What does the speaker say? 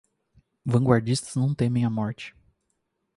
Vanguardistas não temem a morte